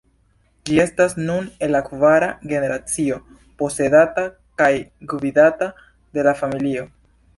Ĝi estas nun en la kvara generacio posedata kaj gvidata de la familio.